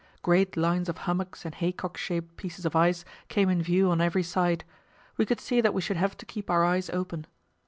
Great lines of hummocks and haycock shaped pieces of ice came in view on every side; we could see that we should have to keep our eyes open.